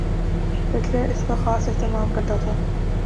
Hitler اس کا خاص اہتمام کرتا تھا۔